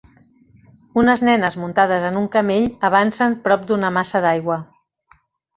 Unes nenes muntades en un camell avancen prop d'una massa d'aigua.